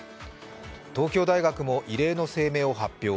東京大学も異例の声明を発表。